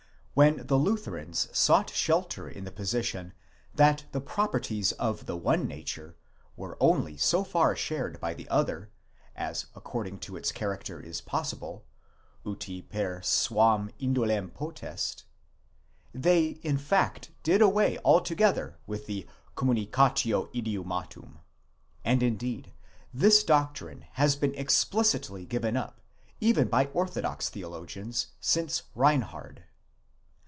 2, When the Lutherans sought shelter in the position, that the proper ties of the one nature were only so far shared by the other, as according to its character is possible, uti per suam indolem potest,> they in fact did away al together with the communicatio idiomatum ; and indeed this doctrine has been explicitly given up even by orthodox theologians since Reinhard.